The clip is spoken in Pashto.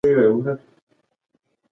زده کړې نجونې د باور وړ معلومات خپروي.